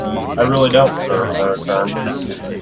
"I really don't, sir," I returned.